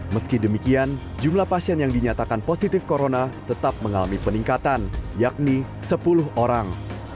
meski demikian jumlah pasien yang dinyatakan positif corona tetap mengalami peningkatan yakni sepuluh orang